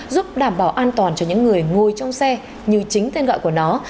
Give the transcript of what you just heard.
giúp đảm bảo an toàn cho những người ngồi trong xe như chính tên gọi của nó